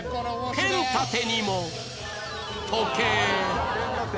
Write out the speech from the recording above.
ペン立てにも時計